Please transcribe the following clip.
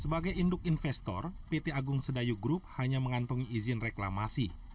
sebagai induk investor pt agung sedayu group hanya mengantongi izin reklamasi